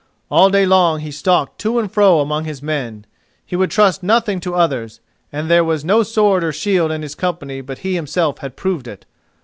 All day long he stalked to and fro among his men; he would trust nothing to others, and there was no sword or shield in his company but he himself had proved it.